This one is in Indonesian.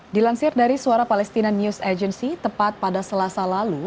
dilansir dari suara palestina news agency tepat pada selasa lalu